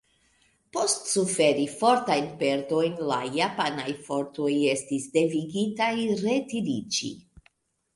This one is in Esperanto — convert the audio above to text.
Post suferi fortajn perdojn, la japanaj fortoj estis devigitaj retiriĝi.